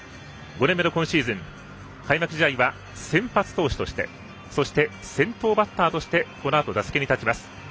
５年目の今シーズン開幕試合は先発投手としてそして、先頭バッターとしてこのあと、打席に立ちます。